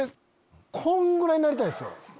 こんぐらいになりたいんすよ。